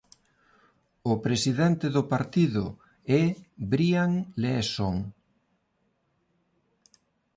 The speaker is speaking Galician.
O presidente do partido é Brian Leeson.